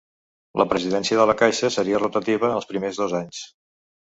La presidència de la caixa seria rotativa els primers dos anys.